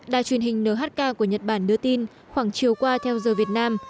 đài truyền hình nhk của nhật bản đưa tin khoảng chiều qua theo giờ việt nam